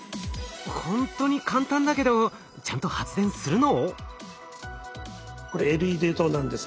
ほんとに簡単だけどちゃんと発電するの？